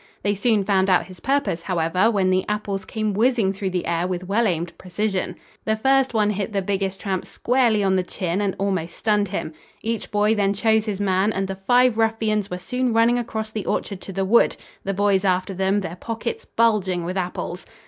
They soon found out his purpose, however, when the apples came whizzing through the air with well aimed precision. The first one hit the biggest tramp squarely on the chin and almost stunned him. Each boy then chose his man and the five ruffians were soon running across the orchard to the wood, the boys after them, their pockets bulging with apples.